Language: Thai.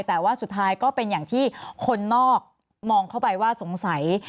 แต่ว่าสุดท้ายก็เป็นอย่างที่คนนอกมองเข้าไปว่าสงสัย